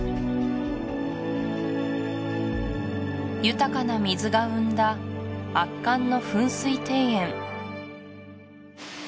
豊かな水が生んだ圧巻の噴水庭園